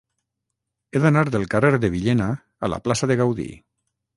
He d'anar del carrer de Villena a la plaça de Gaudí.